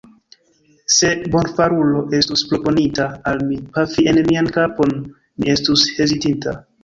Se bonfarulo estus proponinta al mi, pafi en mian kapon, mi estus hezitinta.